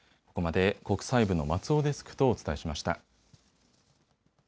ここまで国際部の松尾デスクとお伝えしました。